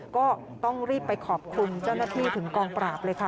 ก็ต้องรีบไปขอบคุณเจ้าหน้าที่ถึงกองปราบเลยค่ะ